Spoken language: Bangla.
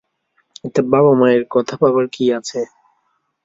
এতে বাবা-মায়ের কথা ভাবার কী আছে?